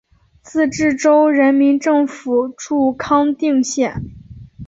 自治州人民政府驻康定县。